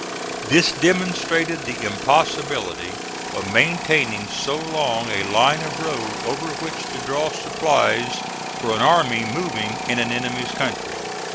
This demonstrated the impossibility of maintaining so long a line of road over which to draw supplies for an army moving in an enemy's country.